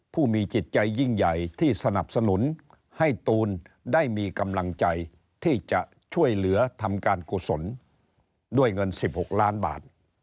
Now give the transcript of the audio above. ผู้มีจิตใจยิ่งใหญ่ที่สนับสนุนให้ตูนได้มีกำลังใจที่จะช่วยเหลือทำการกุศลด้วยเงิน๑๖ล้านบาท